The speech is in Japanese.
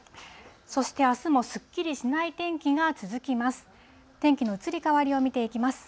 そして、あすもすっきりしない天気が続きます。